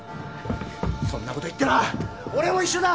そんなこと言ったら俺も一緒だ！